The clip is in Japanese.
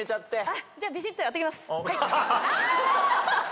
じゃあビシッとやってきます。